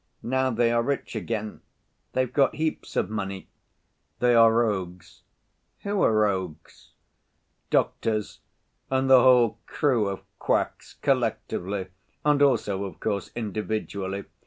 Now they are rich again—they've got heaps of money." "They are rogues." "Who are rogues?" "Doctors and the whole crew of quacks collectively, and also, of course, individually.